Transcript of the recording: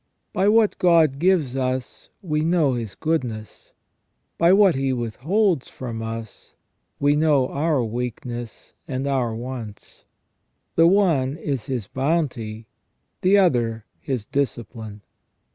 By what God gives us we know His goodness ; by what He withholds from us we know our weakness and our wants : the one is His bounty, the other His discipline.